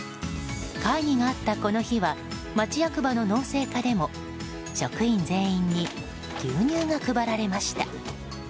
会議があった、この日は町役場の農政課でも職員全員に牛乳が配られました。